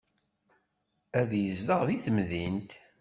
Ad yezdeɣ deg temdint.